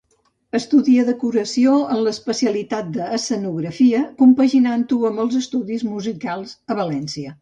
Estudia decoració en l'especialitat d'escenografia, compaginant-ho amb els estudis musicals a València.